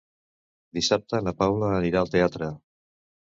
Dissabte na Paula anirà al teatre.